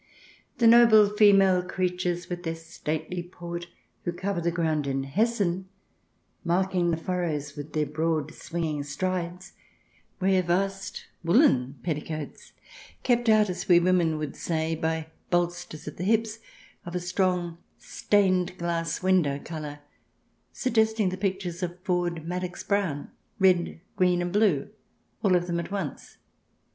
The noble female creatures, with their stately portj who cover the ground in Hessen, marking the furrows with their broad swinging strides, wear vast woollen petticoats, " kept out," as we women would say, by bolsters at the hips, of a strong stained glass window colour, suggesting the pictures of Ford Madox Brown — red, green, and blue, all of them at once.